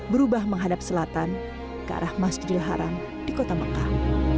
berubah menghadap selatan ke arah masjidil haram di kota mekah